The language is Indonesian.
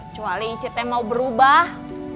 kecuali icetnya mau berubah